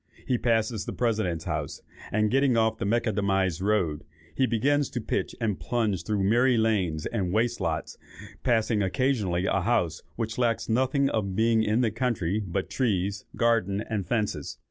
He passes the President's House, and getting off the Macadamized road, begins to pitch and plunge through miry lanes and waste lots, passing occasionally a house which lacks nothing of being in the country but trees, garden, and fences.